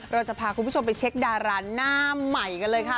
เราจะพาคุณผู้ชมไปเช็คดาราหน้าใหม่กันเลยค่ะ